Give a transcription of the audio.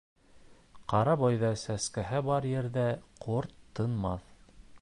Ҡара бойҙай сәскәһе бар ерҙә ҡорт тынмаҫ.